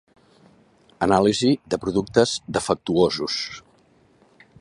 Anàlisi de productes defectuosos.